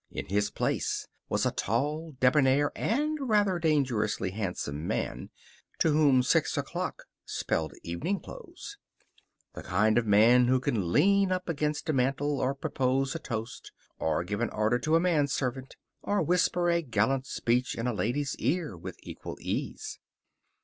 In his place was a tall, debonair, and rather dangerously handsome man to whom six o'clock spelled evening clothes. The kind of man who can lean up against a mantel, or propose a toast, or give an order to a manservant, or whisper a gallant speech in a lady's ear with equal ease.